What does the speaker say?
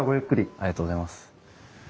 ありがとうございます。